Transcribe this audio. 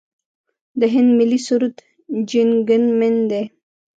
د هند ملي سرود جن ګن من دی.